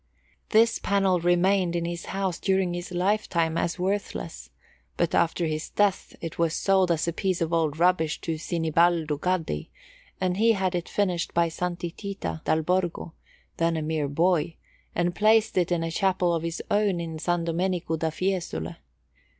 This panel remained in his house during his lifetime as worthless: but after his death it was sold as a piece of old rubbish to Sinibaldo Gaddi, and he had it finished by Santi Titi dal Borgo, then a mere boy, and placed it in a chapel of his own in S. Domenico da Fiesole.